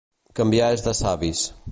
Canviar és de savis.